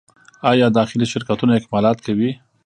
آیا داخلي شرکتونه اکمالات کوي؟